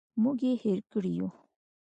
موږ یې هېر کړي یوو.